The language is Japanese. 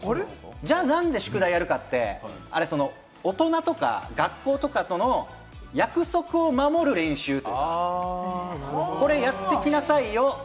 じゃあ、なんで宿題やるかって、大人とか学校とかとの約束を守る練習、やってきなさいよ。